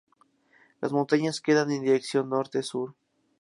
Las montañas quedan en dirección norte-sur.